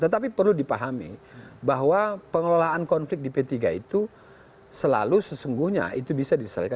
tetapi perlu dipahami bahwa pengelolaan konflik di p tiga itu selalu sesungguhnya itu bisa diselesaikan